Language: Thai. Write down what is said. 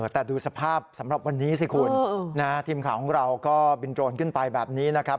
แต่ดูสภาพสำหรับวันนี้สิคุณทีมข่าวของเราก็บินโดรนขึ้นไปแบบนี้นะครับ